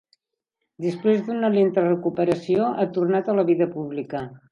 Després d'una lenta recuperació, ha tornat a la vida pública.